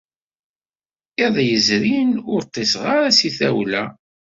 Iḍ izrin ur ṭṭiseɣ ara seg tawla.